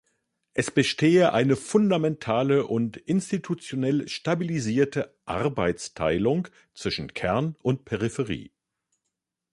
Es bestehe eine fundamentale und institutionell stabilisierte "Arbeitsteilung" zwischen Kern und Peripherie.